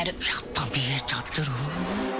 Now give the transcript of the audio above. やっぱ見えちゃてる？